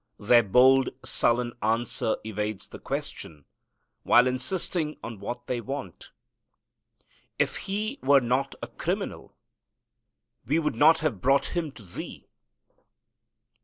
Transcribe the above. Their bold, sullen answer evades the question, while insisting on what they want, "If He were not a criminal we would not have brought Him to thee."